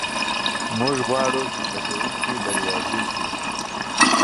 موږ غواړو چې زده کوونکي بریالي سي.